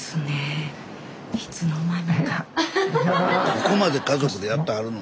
ここまで家族でやってはるの。